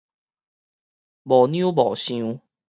無兩無想